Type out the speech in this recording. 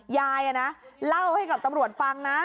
ยายเล่าให้กับตำรวจฟังนะ